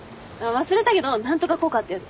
忘れたけど何とか効果ってやつ。